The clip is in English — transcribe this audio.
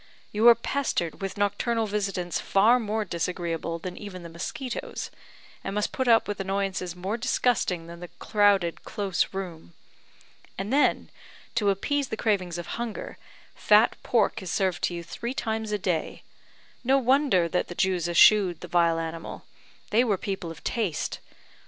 You are pestered with nocturnal visitants far more disagreeable than even the mosquitoes, and must put up with annoyances more disgusting than the crowded, close room. And then, to appease the cravings of hunger, fat pork is served to you three times a day. No wonder that the Jews eschewed the vile animal; they were people of taste.